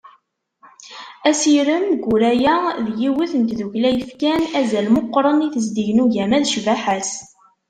Asirem Guraya d yiwet n tdukkla i yefkan azal meqqren i tezdeg n ugama d ccbaḥa-s.